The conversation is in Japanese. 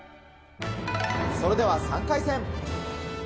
それでは、３回戦。